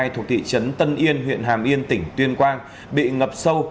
thuộc thị trấn tân yên huyện hàm yên tỉnh tuyên quang bị ngập sâu